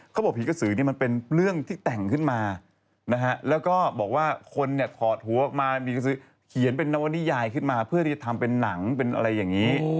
ผีกระสือนี่มันเป็นเรื่องที่แต่งขึ้นมานะฮะแล้วก็บอกว่าคนเนี่ยถอดหัวออกมามีกระสือเขียนเป็นนวนิยายขึ้นมาเพื่อที่จะทำเป็นหนังเป็นอะไรอย่างนี้